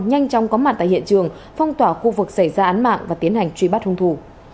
nhanh chóng có mặt tại hiện trường phong tỏa khu vực xảy ra án mạng và tiến hành truy bắt hung thủ